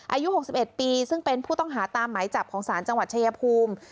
อายุ๖๑ปีซึ่งเป็นผู้ต้องหาตามไหมจับของศาลจังหวัดชายภูมิ